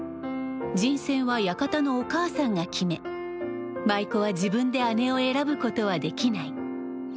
人選は屋形のおかあさんが決め舞妓は自分であねを選ぶことはできない。